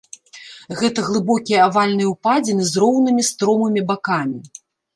Гэта глыбокія авальныя ўпадзіны з роўнымі стромымі бакамі.